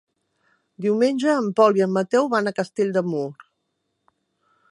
Diumenge en Pol i en Mateu van a Castell de Mur.